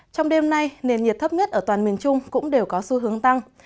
trong đêm nay nền nhiệt thấp nhất ở toàn miền trung cũng đều có xu hướng tăng